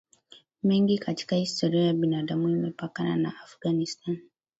mengi katika historia ya binadamu Imepakana na Afghanistan